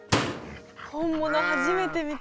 本物初めて見た。